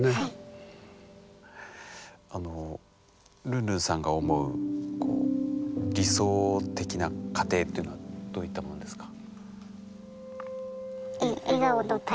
ルンルンさんが思う理想的な家庭というのはどういったものですか？